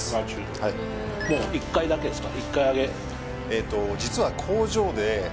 １回だけですか？